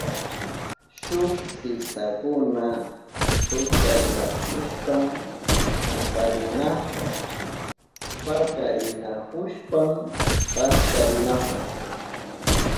Shuk sisakuna tutayahushpan taparinahun pakarihushpan paskarinahun.